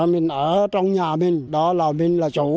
mình ở trong nhà mình đó là mình là chú